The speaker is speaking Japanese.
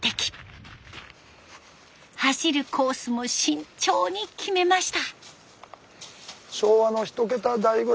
走るコースも慎重に決めました。